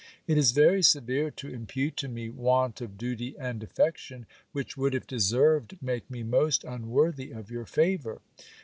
It is very severe to impute to me want of duty and affection, which would, if deserved, make me most unworthy of your favour.